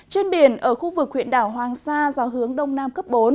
trên biển ở khu vực huyện đảo hoàng sa gió hướng đông nam cấp bốn